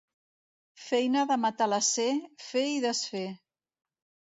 Feina de matalasser, fer i desfer.